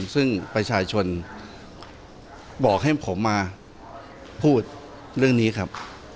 ซึ่งประชาชนบอกให้ผมมาพูดเรื่องนี้ครับ